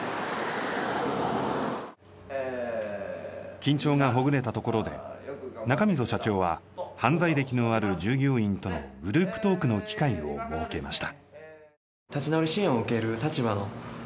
緊張がほぐれたところで中溝社長は犯罪歴のある従業員とのグループトークの機会を設けました。